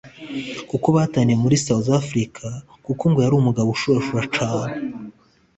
kuko bataniye muri South Africa kuko ngo yari umugabo ashurashura cane